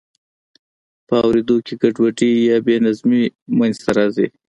په اوریدو کې ګډوډي یا بې نظمي منځ ته راځي.